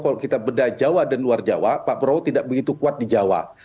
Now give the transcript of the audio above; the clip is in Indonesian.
kalau kita beda jawa dan luar jawa pak prabowo tidak begitu kuat di jawa